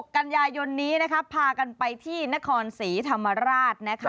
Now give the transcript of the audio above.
กันยายนนี้นะคะพากันไปที่นครศรีธรรมราชนะคะ